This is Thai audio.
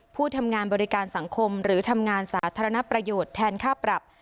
ผู้ทำงานบริการสังคมหรือทำงานสาธารณประโยชน์แทนค่าปรับ